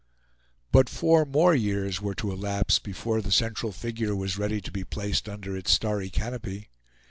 But four more years were to elapse before the central figure was ready to be placed under its starry canopy.